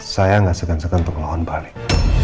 saya gak segan segan untuk ngelawan balik